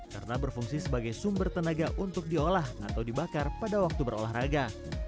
karena berfungsi sebagai sumber tenaga untuk diolah atau dibakar pada waktu berolahraga